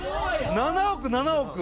７億７億！